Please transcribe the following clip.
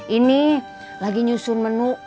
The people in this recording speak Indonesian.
ini lagi nyusun menu